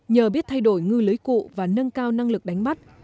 nhờ biết thay đổi ngư lưới cụ và nâng cao năng lực đánh bắt